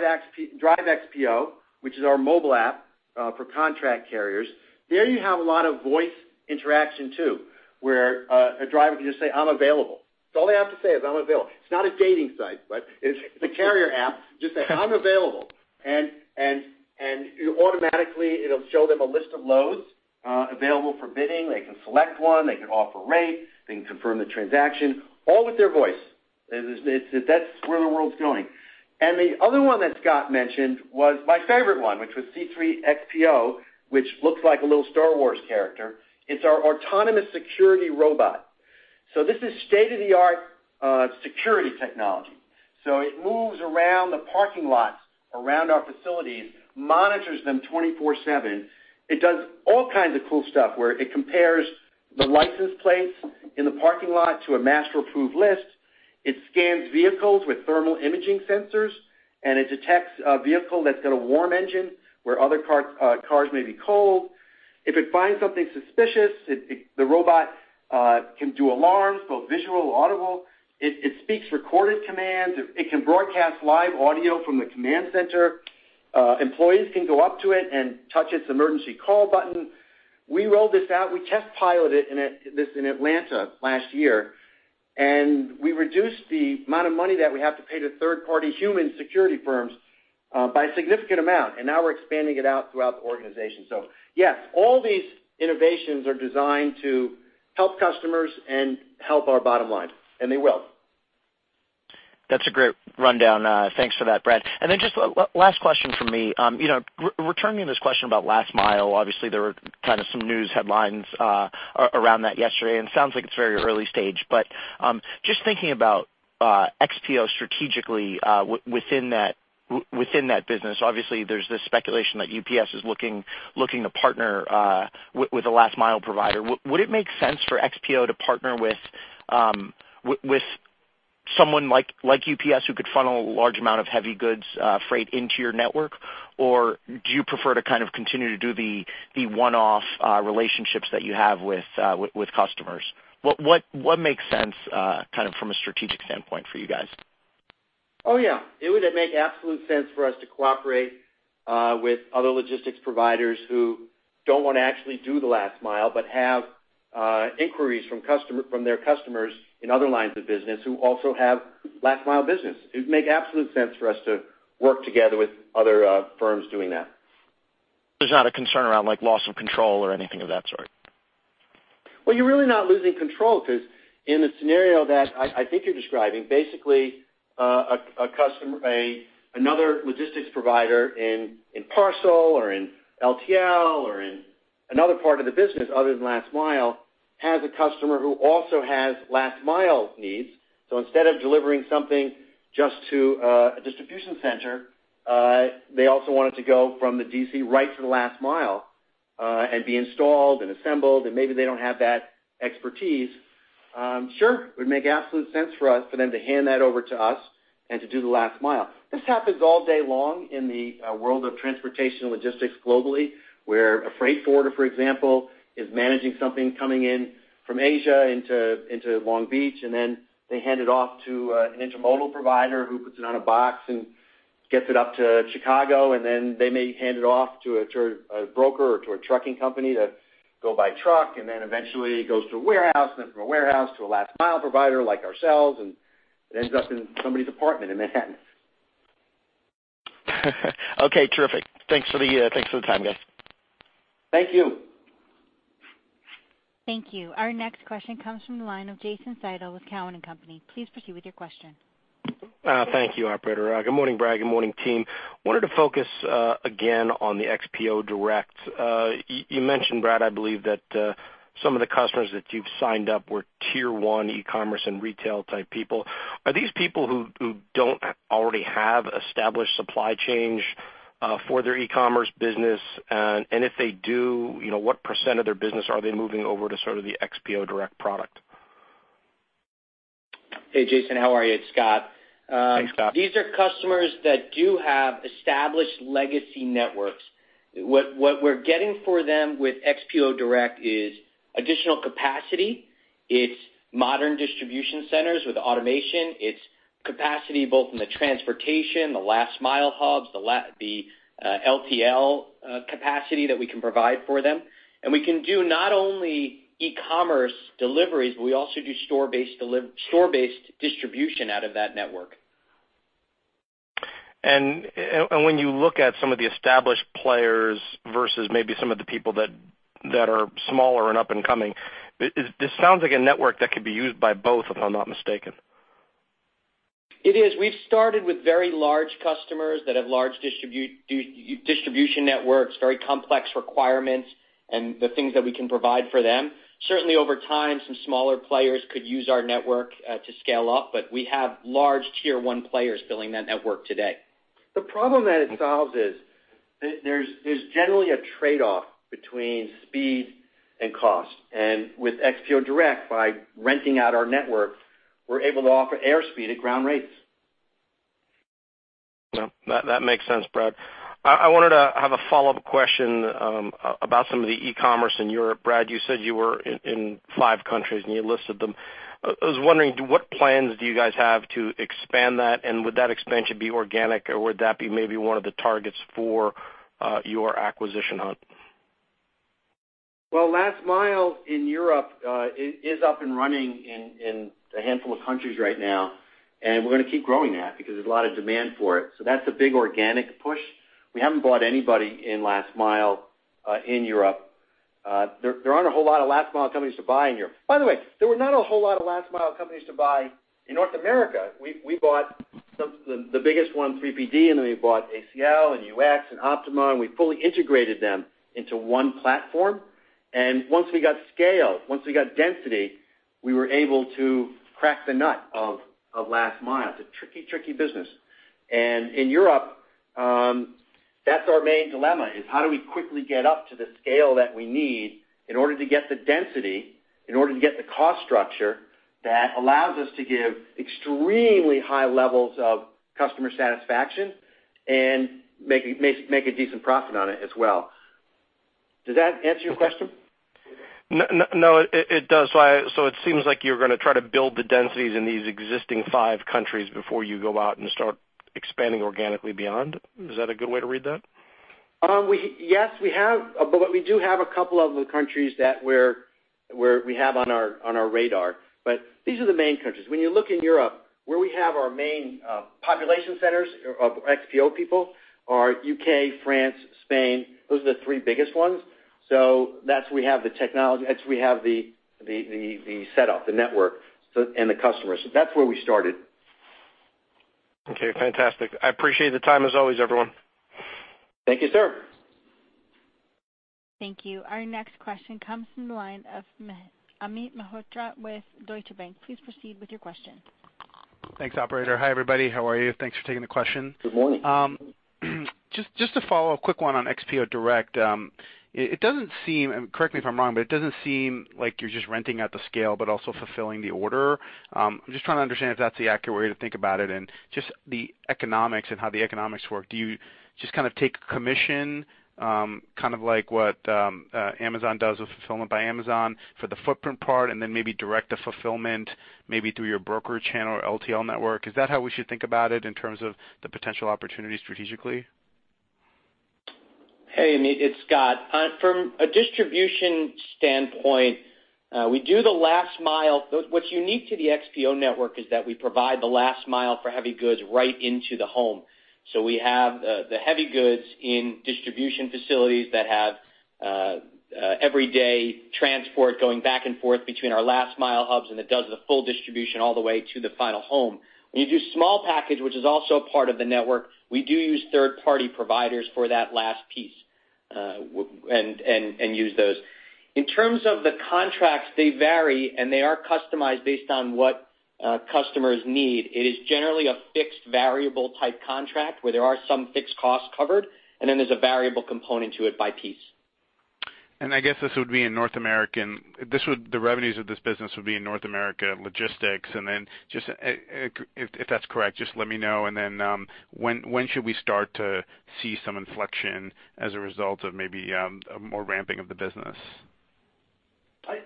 XPO, which is our mobile app for contract carriers. There you have a lot of voice interaction too, where a driver can just say, "I'm available." That's all they have to say is, "I'm available." It's not a dating site, but it's the carrier app. Just say, "I'm available," automatically, it'll show them a list of loads available for bidding. They can select one, they can offer rate, they can confirm the transaction, all with their voice. That's where the world's going. The other one that Scott mentioned was my favorite one, which was C3-XPO, which looks like a little "Star Wars" character. It's our autonomous security robot. This is state-of-the-art security technology. It moves around the parking lots, around our facilities, monitors them 24/seven. It does all kinds of cool stuff, where it compares the license plates in the parking lot to a master approved list. It scans vehicles with thermal imaging sensors, and it detects a vehicle that's got a warm engine where other cars may be cold. If it finds something suspicious, the robot can do alarms, both visual, audible. It speaks recorded commands. It can broadcast live audio from the command center. Employees can go up to it and touch its emergency call button. We rolled this out. We test piloted this in Atlanta last year, we reduced the amount of money that we have to pay to third-party human security firms by a significant amount, now we're expanding it out throughout the organization. Yes, all these innovations are designed to help customers and help our bottom line, and they will. That's a great rundown. Thanks for that, Brad. Then just last question from me. Returning to this question about last mile, obviously, there were kind of some news headlines around that yesterday, and it sounds like it's very early stage. Just thinking about XPO strategically within that business, obviously, there's this speculation that UPS is looking to partner with a last mile provider. Would it make sense for XPO to partner with someone like UPS who could funnel a large amount of heavy goods freight into your network? Do you prefer to kind of continue to do the one-off relationships that you have with customers? What makes sense kind of from a strategic standpoint for you guys? Oh, yeah. It would make absolute sense for us to cooperate with other logistics providers who don't want to actually do the last mile, have inquiries from their customers in other lines of business who also have last mile business. It would make absolute sense for us to work together with other firms doing that. There's not a concern around loss of control or anything of that sort? You're really not losing control because in the scenario that I think you're describing, basically, another logistics provider in parcel or in LTL or in another part of the business other than last mile has a customer who also has last mile needs. Instead of delivering something just to a distribution center, they also want it to go from the DC right to the last mile, and be installed and assembled, and maybe they don't have that expertise. It would make absolute sense for us for them to hand that over to us and to do the last mile. This happens all day long in the world of transportation logistics globally, where a freight forwarder, for example, is managing something coming in from Asia into Long Beach, and then they hand it off to an intermodal provider who puts it on a box and gets it up to Chicago, and then they may hand it off to a broker or to a trucking company to go by truck, and then eventually it goes to a warehouse, and then from a warehouse to a last mile provider like ourselves, and it ends up in somebody's apartment in Manhattan. Terrific. Thanks for the time, guys. Thank you. Thank you. Our next question comes from the line of Jason Seidl with Cowen and Company. Please proceed with your question. Thank you, operator. Good morning, Brad. Good morning, team. Wanted to focus again on the XPO Direct. You mentioned, Brad, I believe that some of the customers that you've signed up were tier 1 e-commerce and retail type people. Are these people who don't already have established supply chains for their e-commerce business? If they do, what % of their business are they moving over to sort of the XPO Direct product? Hey, Jason, how are you? It's Scott. Thanks, Scott. These are customers that do have established legacy networks. What we're getting for them with XPO Direct is additional capacity. It's modern distribution centers with automation. It's capacity both in the transportation, the last mile hubs, the LTL capacity that we can provide for them. We can do not only e-commerce deliveries, but we also do store-based distribution out of that network. When you look at some of the established players versus maybe some of the people that are smaller and up and coming. This sounds like a network that could be used by both, if I'm not mistaken. It is. We've started with very large customers that have large distribution networks, very complex requirements, and the things that we can provide for them. Certainly, over time, some smaller players could use our network to scale up, but we have large tier 1 players filling that network today. The problem that it solves is there's generally a trade-off between speed and cost. With XPO Direct, by renting out our network, we're able to offer air speed at ground rates. No, that makes sense, Brad. I wanted to have a follow-up question about some of the e-commerce in Europe. Brad, you said you were in five countries, and you listed them. I was wondering, what plans do you guys have to expand that? Would that expansion be organic, or would that be maybe one of the targets for your acquisition hunt? Well, last mile in Europe is up and running in a handful of countries right now, and we're going to keep growing that because there's a lot of demand for it. That's a big organic push. We haven't bought anybody in last mile in Europe. There aren't a whole lot of last mile companies to buy in Europe. By the way, there were not a whole lot of last mile companies to buy in North America. We bought the biggest one, 3PD, and then we bought ACL and UX and Optima, and we fully integrated them into one platform. Once we got scale, once we got density, we were able to crack the nut of last mile. It's a tricky business. In Europe, that's our main dilemma, is how do we quickly get up to the scale that we need in order to get the density, in order to get the cost structure that allows us to give extremely high levels of customer satisfaction and make a decent profit on it as well. Does that answer your question? No, it does. It seems like you're going to try to build the densities in these existing five countries before you go out and start expanding organically beyond. Is that a good way to read that? Yes, we have, we do have a couple of the countries that we have on our radar. These are the main countries. When you look in Europe, where we have our main population centers of XPO people are U.K., France, Spain. Those are the three biggest ones. That's we have the setup, the network, and the customers. That's where we started. Okay, fantastic. I appreciate the time, as always, everyone. Thank you, sir. Thank you. Our next question comes from the line of Amit Mehrotra with Deutsche Bank. Please proceed with your question. Thanks, operator. Hi, everybody. How are you? Thanks for taking the question. Good morning. Just to follow a quick one on XPO Direct. It doesn't seem, and correct me if I'm wrong, but it doesn't seem like you're just renting out the scale, but also fulfilling the order. I'm just trying to understand if that's the accurate way to think about it and just the economics and how the economics work. Do you just kind of take a commission, kind of like what Amazon does with Fulfillment by Amazon for the footprint part, and then maybe direct the fulfillment maybe through your brokerage channel or LTL network? Is that how we should think about it in terms of the potential opportunity strategically? Hey, Amit, it's Scott. From a distribution standpoint, we do the last mile. What's unique to the XPO network is that we provide the last mile for heavy goods right into the home. We have the heavy goods in distribution facilities that have everyday transport going back and forth between our last mile hubs, and it does the full distribution all the way to the final home. When you do small package, which is also a part of the network, we do use third-party providers for that last piece, and use those. In terms of the contracts, they vary, and they are customized based on what customers need. It is generally a fixed-variable type contract, where there are some fixed costs covered, and then there's a variable component to it by piece. I guess this would be in North America logistics, and then if that's correct, just let me know. When should we start to see some inflection as a result of maybe more ramping of the business?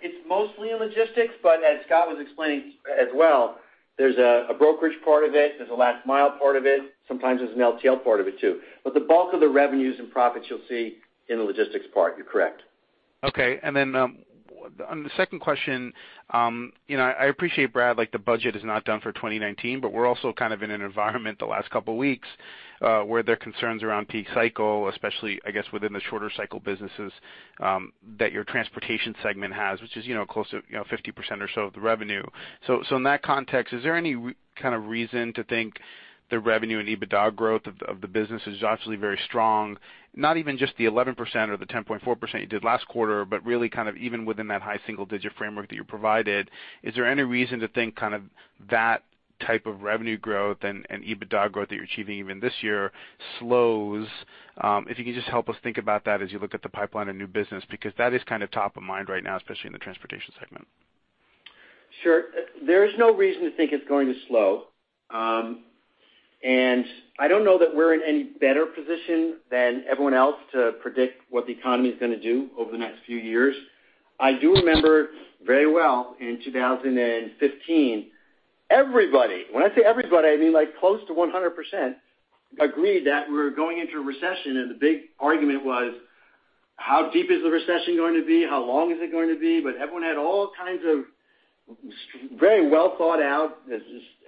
It's mostly in logistics, but as Scott was explaining as well, there's a brokerage part of it, there's a last mile part of it. Sometimes there's an LTL part of it too. The bulk of the revenues and profits you'll see in the logistics part, you're correct. On the second question, I appreciate, Brad, the budget is not done for 2019, but we're also kind of in an environment the last couple of weeks where there are concerns around peak cycle, especially, I guess, within the shorter cycle businesses that your transportation segment has, which is close to 50% or so of the revenue. In that context, is there any kind of reason to think the revenue and EBITDA growth of the business is obviously very strong? Not even just the 11% or the 10.4% you did last quarter, but really kind of even within that high single-digit framework that you provided, is there any reason to think kind of that type of revenue growth and EBITDA growth that you're achieving even this year slows? If you could just help us think about that as you look at the pipeline of new business, because that is kind of top of mind right now, especially in the transportation segment. Sure. There is no reason to think it's going to slow. I don't know that we're in any better position than everyone else to predict what the economy is going to do over the next few years. I do remember very well in 2015, everybody, when I say everybody, I mean like close to 100%, agreed that we were going into a recession, the big argument was how deep is the recession going to be? How long is it going to be? Everyone had all kinds of very well thought out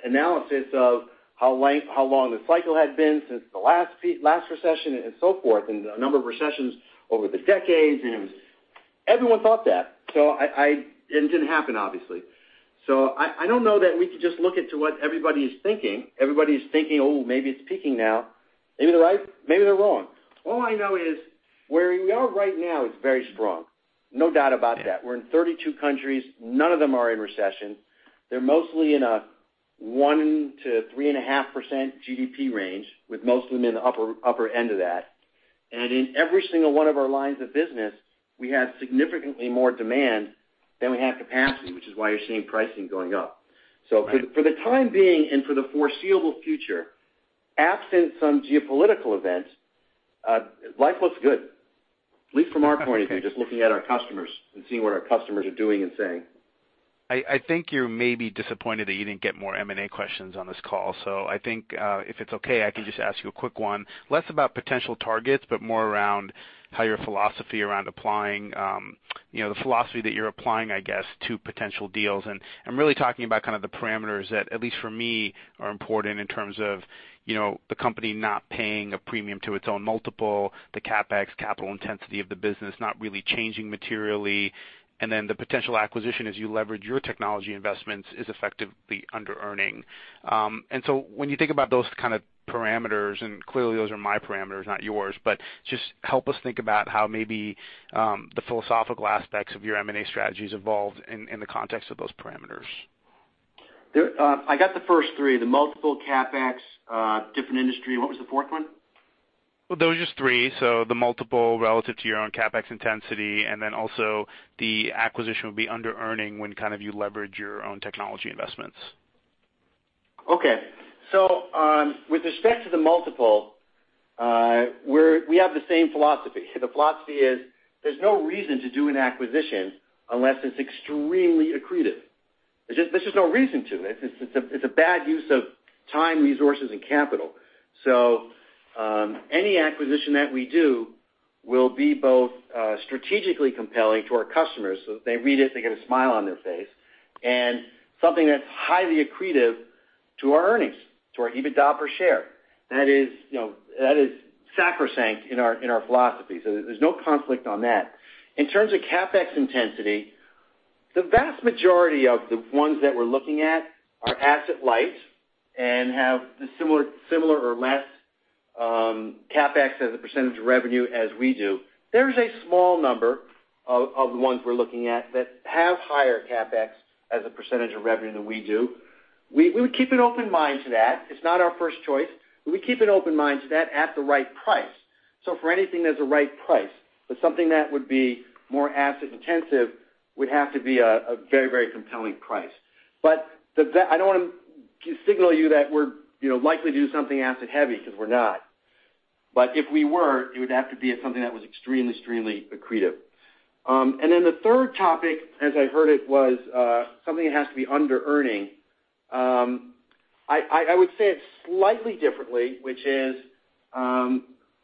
analysis of how long the cycle had been since the last recession, and so forth, and a number of recessions over the decades. Everyone thought that. It didn't happen, obviously. I don't know that we could just look into what everybody is thinking. Everybody's thinking, "Oh, maybe it's peaking now." Maybe they're right, maybe they're wrong. All I know is where we are right now is very strong. No doubt about that. We're in 32 countries. None of them are in recession. They're mostly in a 1% to 3.5% GDP range, with most of them in the upper end of that. In every single one of our lines of business, we have significantly more demand than we have capacity, which is why you're seeing pricing going up. Right. For the time being and for the foreseeable future, absent some geopolitical event, life looks good. At least from our point of view, just looking at our customers and seeing what our customers are doing and saying. I think you may be disappointed that you didn't get more M&A questions on this call. I think, if it's okay, I can just ask you a quick one. Less about potential targets, but more around how your philosophy around applying, the philosophy that you're applying, I guess, to potential deals. I'm really talking about kind of the parameters that, at least for me, are important in terms of the company not paying a premium to its own multiple, the CapEx, capital intensity of the business, not really changing materially. Then the potential acquisition as you leverage your technology investments is effectively underearning. When you think about those kind of parameters, and clearly those are my parameters, not yours, but just help us think about how maybe the philosophical aspects of your M&A strategies evolved in the context of those parameters. I got the first three, the multiple CapEx, different industry. What was the fourth one? Well, there was just three, the multiple relative to your own CapEx intensity, then also the acquisition would be underearning when you leverage your own technology investments. Okay. With respect to the multiple, we have the same philosophy. The philosophy is there's no reason to do an acquisition unless it's extremely accretive. There's just no reason to. It's a bad use of time, resources, and capital. Any acquisition that we do will be both strategically compelling to our customers, so if they read it, they get a smile on their face, and something that's highly accretive to our earnings, to our EBITDA per share. That is sacrosanct in our philosophy. There's no conflict on that. In terms of CapEx intensity, the vast majority of the ones that we're looking at are asset light and have the similar or less CapEx as a % of revenue as we do. There's a small number of the ones we're looking at that have higher CapEx as a % of revenue than we do. We would keep an open mind to that. It's not our first choice, but we keep an open mind to that at the right price. For anything, there's a right price. Something that would be more asset intensive would have to be a very compelling price. I don't want to signal you that we're likely to do something asset heavy, because we're not. If we were, it would have to be something that was extremely accretive. The third topic, as I heard it, was something that has to be underearning. I would say it slightly differently, which is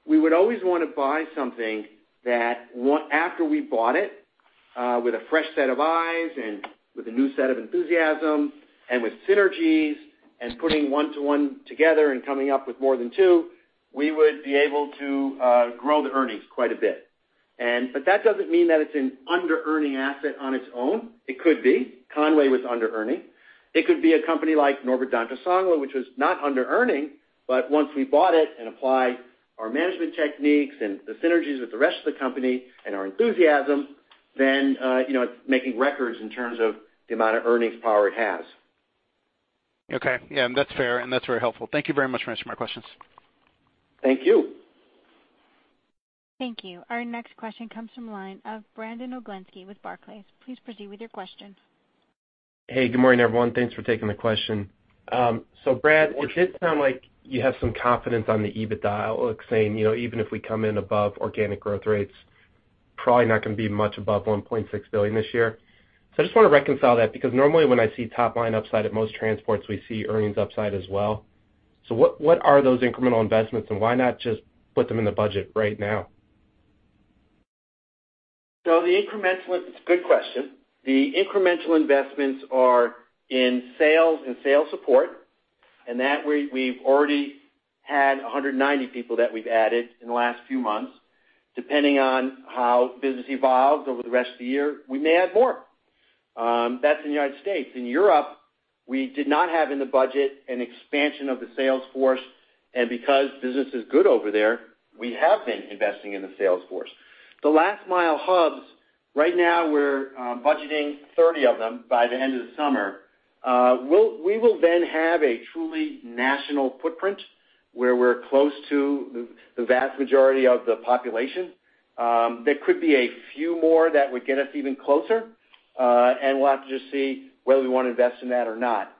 we would always want to buy something that after we bought it with a fresh set of eyes and with a new set of enthusiasm and with synergies and putting one to one together and coming up with more than two, we would be able to grow the earnings quite a bit. That doesn't mean that it's an underearning asset on its own. It could be. Con-way was underearning. It could be a company like Norbert Dentressangle, which was not underearning, but once we bought it and applied our management techniques and the synergies with the rest of the company and our enthusiasm, then it's making records in terms of the amount of earnings power it has. Okay. That's fair, and that's very helpful. Thank you very much for answering my questions. Thank you. Thank you. Our next question comes from the line of Brandon Oglenski with Barclays. Please proceed with your question. Hey, good morning, everyone. Thanks for taking the question. Brad Of course It did sound like you have some confidence on the EBITDA outlook saying even if we come in above organic growth rates, probably not going to be much above $1.6 billion this year. I just want to reconcile that, because normally when I see top-line upside at most transports, we see earnings upside as well. What are those incremental investments, and why not just put them in the budget right now? The incremental, it's a good question. The incremental investments are in sales and sales support. We've already had 190 people that we've added in the last few months. Depending on how business evolves over the rest of the year, we may add more. That's in the U.S. In Europe, we did not have in the budget an expansion of the sales force. Because business is good over there, we have been investing in the sales force. The Last Mile hubs, right now, we're budgeting 30 of them by the end of the summer. We will then have a truly national footprint where we're close to the vast majority of the population. There could be a few more that would get us even closer. We'll have to just see whether we want to invest in that or not.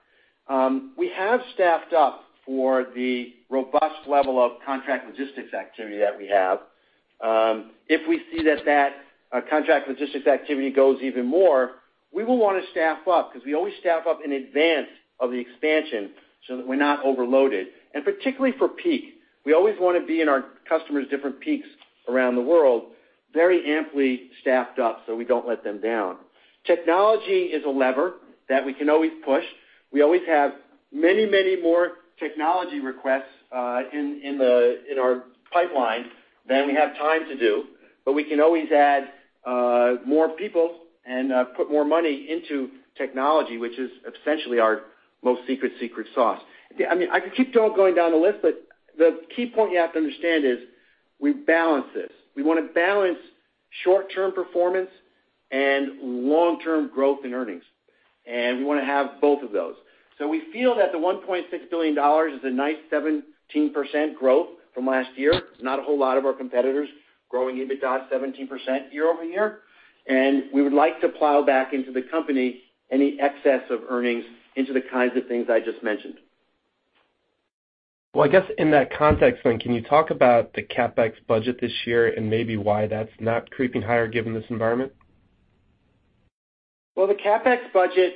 We have staffed up for the robust level of contract logistics activity that we have. If we see that contract logistics activity goes even more, we will want to staff up because we always staff up in advance of the expansion so that we're not overloaded. Particularly for peak. We always want to be in our customers' different peaks around the world very amply staffed up so we don't let them down. Technology is a lever that we can always push. We always have many more technology requests in our pipeline than we have time to do, but we can always add more people and put more money into technology, which is essentially our most secret sauce. I could keep going down the list, but the key point you have to understand is we balance this. We want to balance short-term performance and long-term growth in earnings. We want to have both of those. We feel that the $1.6 billion is a nice 17% growth from last year. There's not a whole lot of our competitors growing EBITDA 17% year-over-year. We would like to plow back into the company any excess of earnings into the kinds of things I just mentioned. I guess in that context, can you talk about the CapEx budget this year and maybe why that's not creeping higher given this environment? Well, the CapEx budget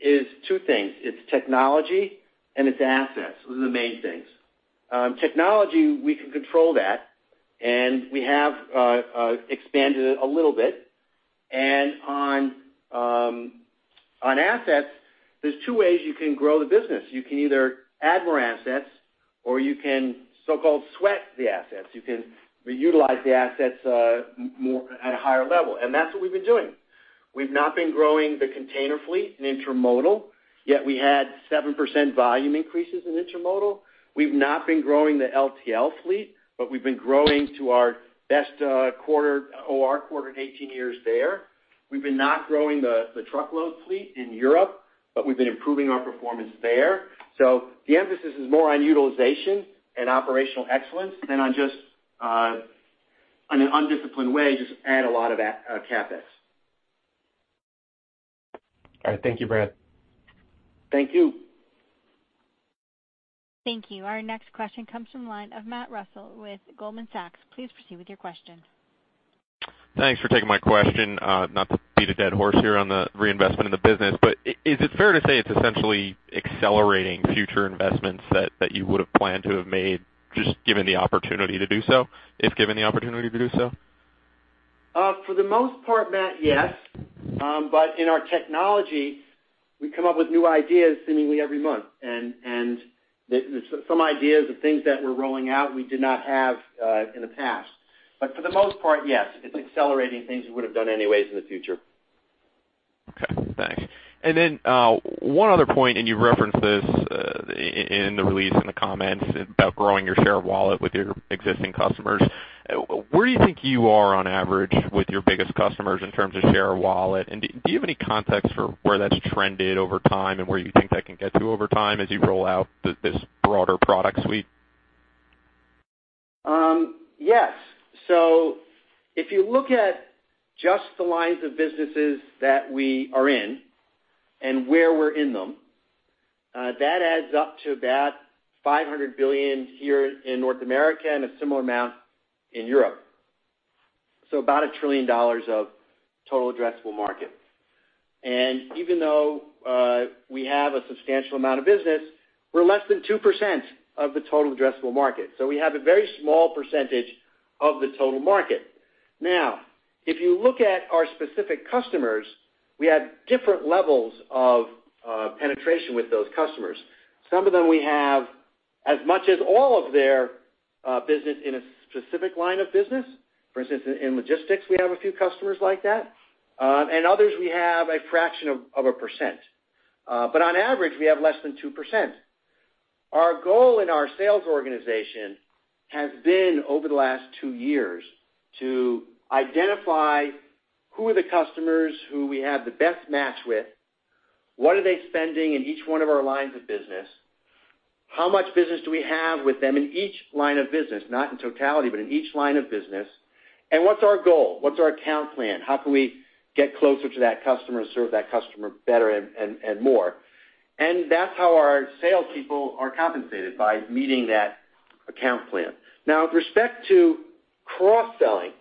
is two things. It's technology and it's assets. Those are the main things. Technology, we can control that, and we have expanded it a little bit. On assets, there's two ways you can grow the business. You can either add more assets or you can so-called sweat the assets. You can utilize the assets at a higher level. That's what we've been doing. We've not been growing the container fleet in intermodal, yet we had 7% volume increases in intermodal. We've not been growing the LTL fleet, but we've been growing to our best OR quarter in 18 years there. We've been not growing the truckload fleet in Europe, but we've been improving our performance there. The emphasis is more on utilization and operational excellence than on an undisciplined way, just add a lot of that CapEx. All right. Thank you, Brad. Thank you. Thank you. Our next question comes from the line of Matt Reustle with Goldman Sachs. Please proceed with your question. Thanks for taking my question. Not to beat a dead horse here on the reinvestment in the business, but is it fair to say it's essentially accelerating future investments that you would've planned to have made just given the opportunity to do so, if given the opportunity to do so? For the most part, Matt, yes. In our technology, we come up with new ideas seemingly every month, and some ideas of things that we're rolling out we did not have in the past. For the most part, yes, it's accelerating things we would've done anyways in the future. Okay, thanks. One other point, you've referenced this in the release, in the comments about growing your share of wallet with your existing customers. Where do you think you are on average with your biggest customers in terms of share of wallet? Do you have any context for where that's trended over time and where you think that can get to over time as you roll out this broader product suite? Yes. If you look at just the lines of businesses that we are in and where we're in them, that adds up to about $500 billion here in North America and a similar amount in Europe. About $1 trillion of total addressable market. Even though we have a substantial amount of business, we're less than 2% of the total addressable market. We have a very small percentage of the total market. Now, if you look at our specific customers, we have different levels of penetration with those customers. Some of them we have as much as all of their business in a specific line of business. For instance, in logistics, we have a few customers like that. Others, we have a fraction of a percent. On average, we have less than 2%. Our goal in our sales organization has been, over the last two years, to identify who are the customers who we have the best match with, what are they spending in each one of our lines of business, how much business do we have with them in each line of business, not in totality, but in each line of business. What's our goal? What's our account plan? How can we get closer to that customer and serve that customer better and more? That's how our salespeople are compensated, by meeting that account plan. Now with respect to cross-selling,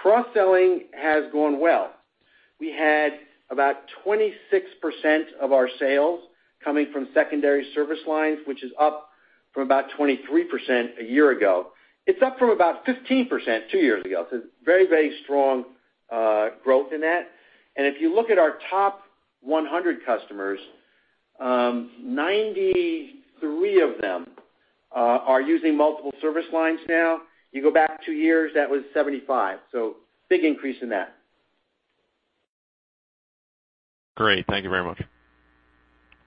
cross-selling has gone well. We had about 26% of our sales coming from secondary service lines, which is up from about 23% a year ago. It's up from about 15% two years ago, so very, very strong growth in that. If you look at our top 100 customers, 93 of them are using multiple service lines now. You go back two years, that was 75. Big increase in that. Great. Thank you very much.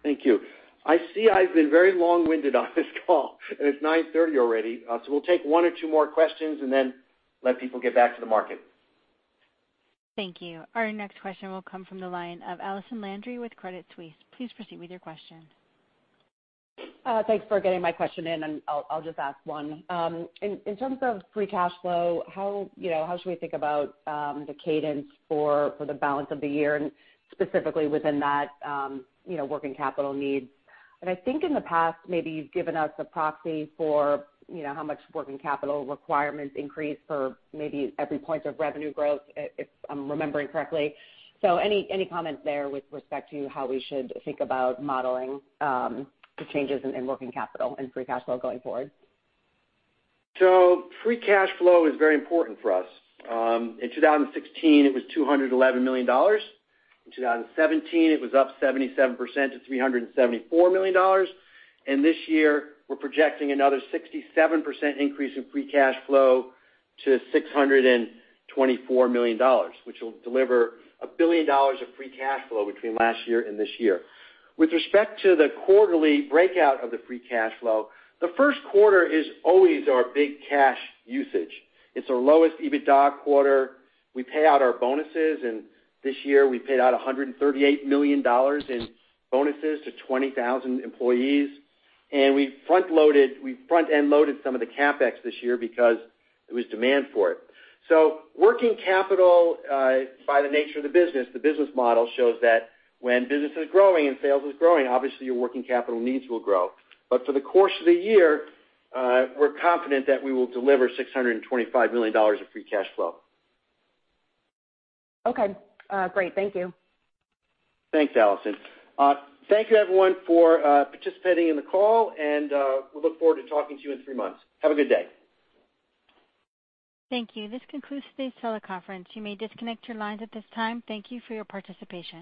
Thank you. I see I've been very long-winded on this call, it's 9:30 A.M. already. We'll take one or two more questions and then let people get back to the market. Thank you. Our next question will come from the line of Allison Landry with Credit Suisse. Please proceed with your question. Thanks for getting my question in, and I'll just ask one. In terms of free cash flow, how should we think about the cadence for the balance of the year, and specifically within that, working capital needs? I think in the past, maybe you've given us a proxy for how much working capital requirements increase for maybe every point of revenue growth, if I'm remembering correctly. Any comment there with respect to how we should think about modeling the changes in working capital and free cash flow going forward? Free cash flow is very important for us. In 2016, it was $211 million. In 2017, it was up 77% to $374 million. This year, we're projecting another 67% increase in free cash flow to $624 million, which will deliver $1 billion of free cash flow between last year and this year. With respect to the quarterly breakout of the free cash flow, the first quarter is always our big cash usage. It's our lowest EBITDA quarter. We pay out our bonuses, and this year we paid out $138 million in bonuses to 20,000 employees. We front-end loaded some of the CapEx this year because there was demand for it. Working capital, by the nature of the business, the business model shows that when business is growing and sales is growing, obviously your working capital needs will grow. For the course of the year, we're confident that we will deliver $625 million of free cash flow. Okay. Great. Thank you. Thanks, Allison. Thank you everyone for participating in the call. We look forward to talking to you in three months. Have a good day. Thank you. This concludes today's teleconference. You may disconnect your lines at this time. Thank you for your participation.